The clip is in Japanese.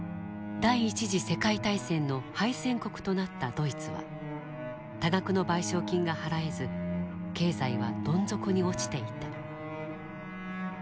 第一次世界大戦の敗戦国となったドイツは多額の賠償金が払えず経済はどん底に落ちていた。